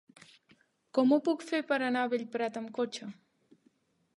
Com ho puc fer per anar a Bellprat amb cotxe?